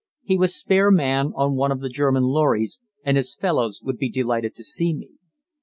He was spare man on one of the German lorries, and his fellows would be delighted to see me.